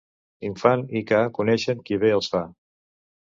Infant i ca coneixen qui bé els fa.